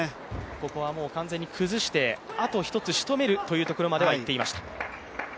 ここは完全に崩してあとひとつしとめるというところまでいっていました。